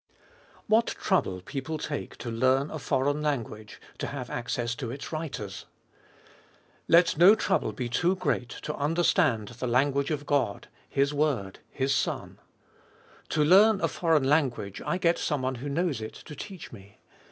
7. What trouble people take to learn a foreign language, to haoe access to its writers. Let no trouble be too great to understand the language of God, His Word, His Son. To learn a foreign language I get someone who knows it to teach me.